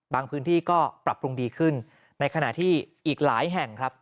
พื้นที่ก็ปรับปรุงดีขึ้นในขณะที่อีกหลายแห่งครับ